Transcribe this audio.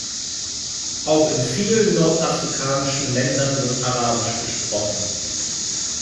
Auch in vielen nordafrikanischen Ländern wird arabisch gesprochen.